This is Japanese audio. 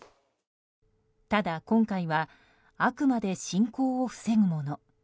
ただ今回はあくまで進行を防ぐもの。